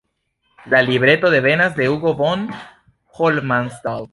La libreto devenas de Hugo von Hofmannsthal.